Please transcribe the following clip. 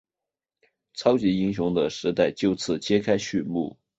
超级英雄的时代就此揭开序幕。